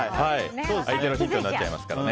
相手のヒントになっちゃいますから。